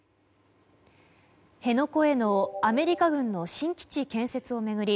辺野古へのアメリカ軍の新基地建設を巡り